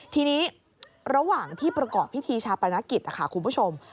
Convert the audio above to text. ทีนี้ระหว่างที่ประกอบพิธีชาปนกิจนะคะคุณผู้ชม